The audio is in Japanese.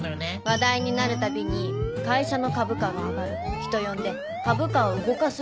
話題になる度に会社の株価が上がる人呼んで株価を動かす令嬢。